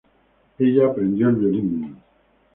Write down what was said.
Ella aprendió el violín.